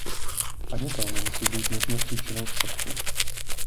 Ani to nemusí být nutně příčinou schodku.